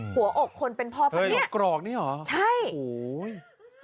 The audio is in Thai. หัวอกควรเป็นพ่อแบบนี้ใช่โอ้โหหัวอกกรอกนี่หรอ